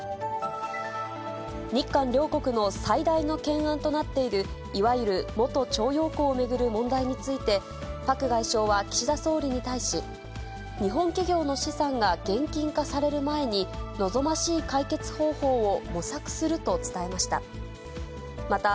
日韓両国の最大の懸案となっている、いわゆる元徴用工を巡る問題について、パク外相は岸田総理に対し、日本企業の資産が現金化される前に、望ましい解決方法を模索すると伝えました。